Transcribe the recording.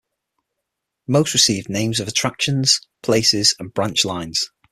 Most received names of attractions, places and branch lines.